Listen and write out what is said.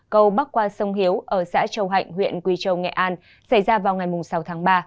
cầu bắc qua sông hiếu ở xã châu hạnh huyện quỳ châu nghệ an xảy ra vào ngày sáu tháng ba